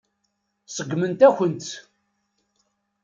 Seggment-akent-tt.